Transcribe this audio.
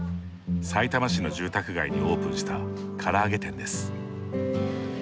さいたま市の住宅街にオープンしたから揚げ店です。